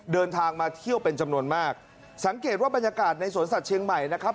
เดินทางมาเที่ยวเป็นจำนวนมากสังเกตว่าบรรยากาศในสวนสัตว์เชียงใหม่นะครับ